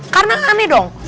karena aneh dong